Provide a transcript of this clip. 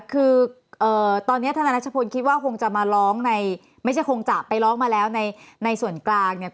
คือตอนนี้ธนัชพลคิดว่าคงจะมาร้องในไม่ใช่คงจะไปร้องมาแล้วในส่วนกลางเนี่ย